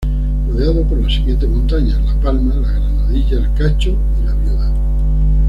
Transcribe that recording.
Rodeado por las siguientes montañas: La Palma, La Granadilla, El Cacho y La Viuda.